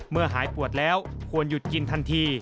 หายปวดแล้วควรหยุดกินทันที